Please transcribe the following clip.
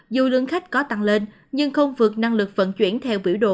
dù lượng khách có tăng lên nhưng không vượt năng lực vận chuyển theo biểu đồ